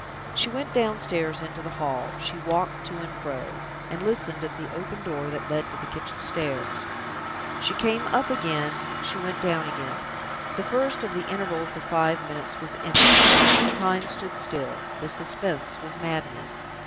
She went downstairs into the hall; she walked to and fro, and listened at the open door that led to the kitchen stairs. She came up again; she went down again. The first of the intervals of five minutes was endless. The time stood still. The suspense was maddening.